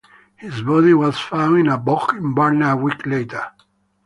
His body was found in a bog in Barna a week later.